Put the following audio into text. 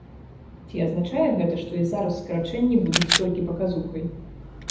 Ці азначае гэта, што і зараз скарачэнні будуць толькі паказухай?